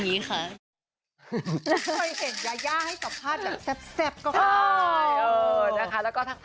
ตอนที่ดี๕เป็นเกลียดหอส่วน